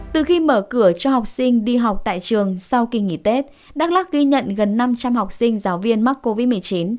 từ khi mở cửa cho học sinh đi học tại trường sau kỳ nghỉ tết đắk lắc ghi nhận gần năm trăm linh học sinh giáo viên mắc covid một mươi chín